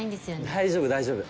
大丈夫大丈夫。